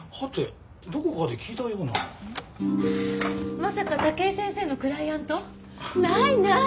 まさか武井先生のクライアント？ないない！